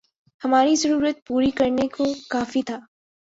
ہماری ضرورت پوری کرنے کو کافی تھا